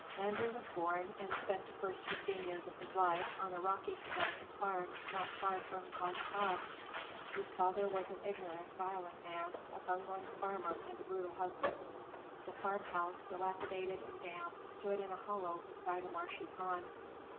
Landry was born, and spent the first fifteen years of his life, on a rocky Connecticut farm not far from Cos Cob. His father was an ignorant, violent man, a bungling farmer and a brutal husband. The farmhouse, dilapidated and damp, stood in a hollow beside a marshy pond.